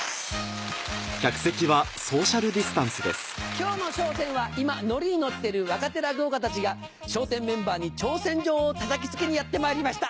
今日の『笑点』は今ノリにノッてる若手落語家たちが笑点メンバーに挑戦状をたたきつけにやってまいりました。